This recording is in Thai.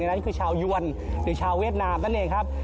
นั่นคือชาวยวนหรือชาวเวียดนามนั่นเองครับ